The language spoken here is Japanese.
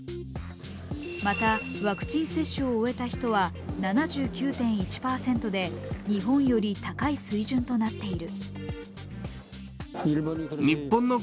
また、ワクチン接種を終えた人は７９．１％で日本より高い水準となっている。